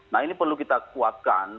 nah ini perlu kita kuatkan